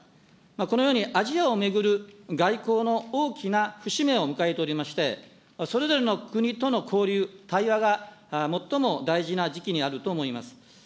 このようにアジアを巡る外交の大きな節目を迎えておりまして、それぞれの国との交流、対話が最も大事な時期にあると思います。